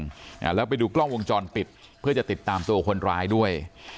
อ่าแล้วไปดูกล้องวงจรปิดเพื่อจะติดตามตัวคนร้ายด้วย